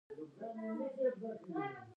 کلیزه ورځې او میاشتې ښيي